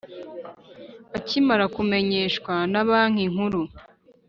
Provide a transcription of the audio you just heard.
Akimara kumenyeshwa na Banki Nkuru